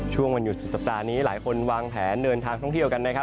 ช่วงวันหยุดสุดสัปดาห์นี้หลายคนวางแผนเดินทางท่องเที่ยวกันนะครับ